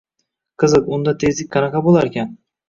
Qiziq, unda tezlik qanaqa bo‘larkan…